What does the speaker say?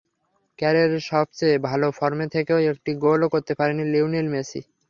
ক্যারিয়ারের সবচেয়ে ভালো ফর্মে থেকেও একটি গোলও করতে পারেননি লিওনেল মেসি।